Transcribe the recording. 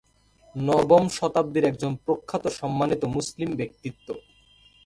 নবম শতাব্দীর একজন প্রখ্যাত সম্মানিত মুসলিম ব্যক্তিত্ব।